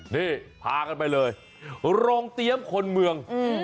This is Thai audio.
นี่พากันไปเลยโรงเตรียมคนเมือง